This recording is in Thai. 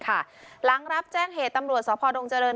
หลังรับแจ้งเหตุตำรวจสพดงเจริญ